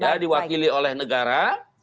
ya diwakili oleh negara